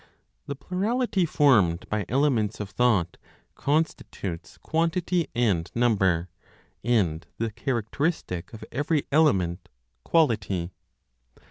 The plurality formed by elements of thought constitutes quantity and number; and the characteristic of every element, quality.